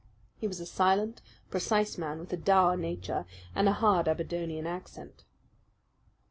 He was a silent, precise man with a dour nature and a hard Aberdonian accent.